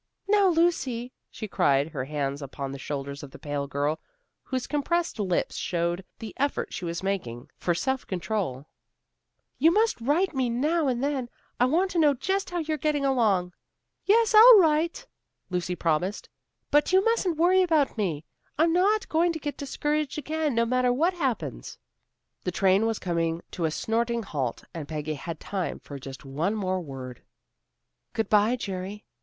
"Now, Lucy," she cried, her hands upon the shoulders of the pale girl, whose compressed lips showed the effort she was making far self control, "you must write me now and then. I want to know just how you're getting along." "Yes, I'll write," Lucy promised. "But you mustn't worry about me. I'm not going to get discouraged again, no matter what happens." The train was coming to a snorting halt and Peggy had time for just one more word. "Good by, Jerry.